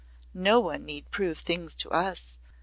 No one need prove things to us.